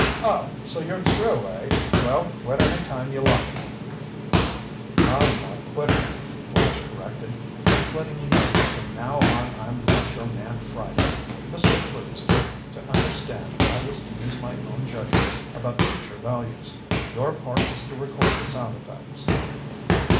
"Oh, so you're through, eh? Well, quit any time you like!" "I'm not quitting," Flash corrected. "Just letting you know that from now on I'm not your man Friday. Mr. Clewes gave me to understand I was to use my own judgment about picture values. Your part is to record the sound effects."